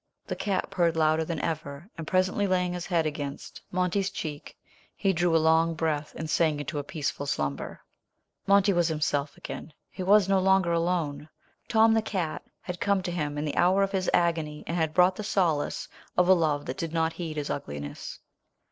The cat purred louder than ever, and presently laying his head against Monty's cheek, he drew a long breath and sank into a peaceful slumber. Monty was himself again. He was no longer alone. Tom, the cat, had come to him in the hour of his agony and had brought the solace of a love that did not heed his ugliness.